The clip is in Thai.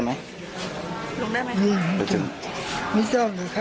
มาช่วยกันนะฮะ